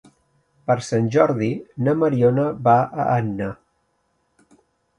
Per Sant Jordi na Mariona va a Anna.